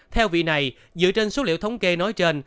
theo vị này dựa trên số liệu thống kê nói trên